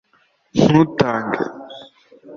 ntutange